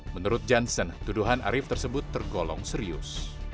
menurut johnson tuduhan arief tersebut tergolong serius